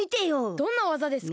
どんなわざですか？